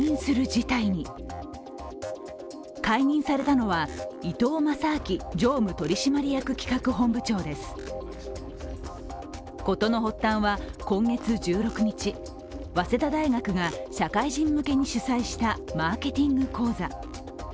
事の発端は、今月１６日早稲田大学が社会人向けに主催したマーケティング講座。